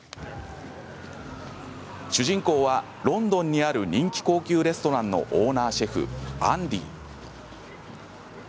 主人公はロンドンにある人気高級レストランのオーナーシェフ、アンディ。